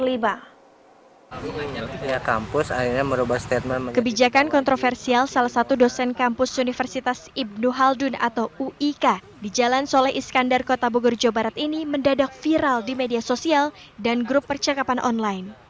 kebijakan kontroversial salah satu dosen kampus universitas ibnu haldun atau uik di jalan soleh iskandar kota bogor jawa barat ini mendadak viral di media sosial dan grup percakapan online